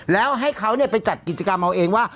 แล้วให้เขาไปจัดกิจกรรมเอาเองว่า